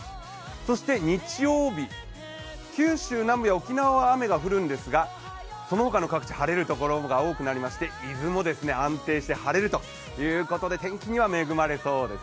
そして日曜日、九州南部や沖縄は雨が降るんですがそのほかの各地、晴れるところが多くなりまして伊豆も安定して晴れるということで天気には恵まれそうです。